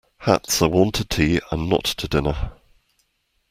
Hats are worn to tea and not to dinner.